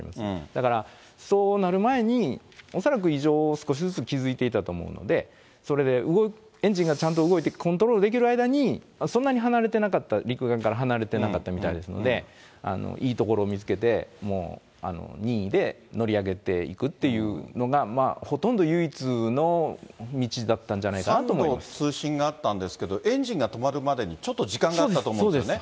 だから、そうなる前に恐らく異常を少しずつ気付いていたと思うので、それでエンジンがちゃんと動いてコントロールできる間に、そんなに離れてなかった、陸岸から離れてなかったみたいですので、いい所を見つけて、もう任意で乗り上げていくっていうのがほとんど唯一の道だったん３度通信があったんですけれども、エンジンが止まるまでにちょっと時間があったと思うんですよね。